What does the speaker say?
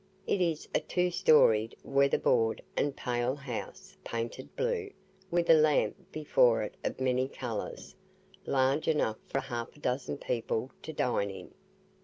It is a two storied, weather board, and pale house, painted blue, with a lamp before it of many colours, large enough for half a dozen people to dine in.